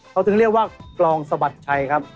เขาถึงเรียกว่ากลองสะบัดชัยครับ